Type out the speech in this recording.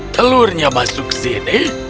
telurnya masuk ke sini